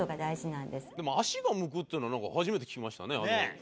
でも足が向くっていうのは初めて聞きましたね。